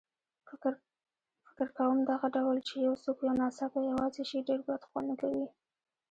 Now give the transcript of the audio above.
فکر کوم دغه ډول چې یو څوک یو ناڅاپه یوازې شي ډېر بدخوند کوي.